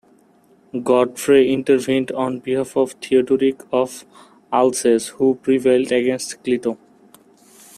Godfrey intervened on behalf of Theodoric of Alsace, who prevailed against Clito.